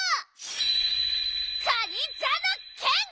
かにざのけん！